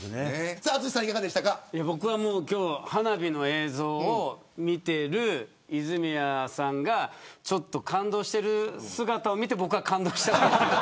僕は花火の映像を見ている泉谷さんがちょっと感動している姿を見て僕は感動しました。